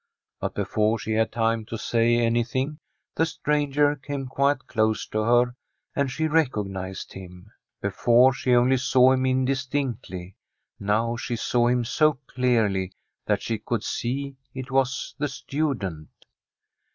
But before she had time to say anything, the stranger came quite close to her, and she recognised him. Before, she only saw him indistinctly; now she saw him so clearly that she could see it was the student.